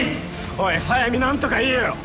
おい速水何とか言えよ！